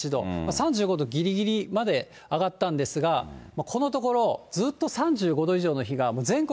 ３５度ぎりぎりまで上がったんですが、このところ、ずっと３５度以上の日が、全国